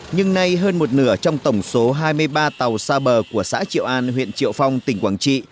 nhưng nay hơn một nửa trong tổng số hai mươi ba tàu xa bờ của xã triệu an huyện triệu phong tỉnh quảng trị